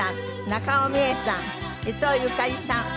中尾ミエさん伊東ゆかりさん。